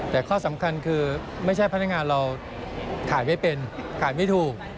แต่ข้อสำคัญคือไม่ใช่พนักงานเราขายไม่เป็นขายไม่ถูก